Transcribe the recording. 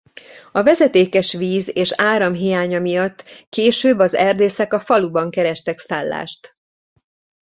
A vezetékes víz és áram hiánya miatt később az erdészek a faluban kerestek szállást.